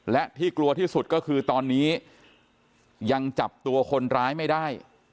และที่กลัวที่สุดก็คือตอนนี้ยังจับตัวคนร้ายไม่ได้